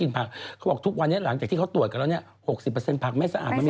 มันก็ต้องกลับมาที่วิธีเดิม